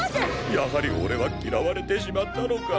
やはり俺は嫌われてしまったのか。